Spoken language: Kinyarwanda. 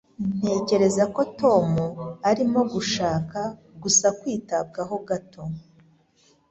Ntekereza ko Tom arimo gushaka gusa kwitabwaho gato.